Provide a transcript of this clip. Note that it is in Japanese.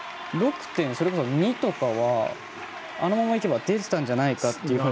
それこそ６．２とかはあのままいけば出ていたんじゃないかという。